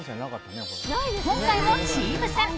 今回もチーム戦。